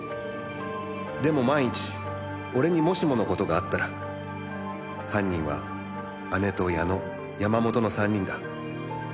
「でも万一俺にもしもの事があったら犯人は姉と矢野山本の３人だ」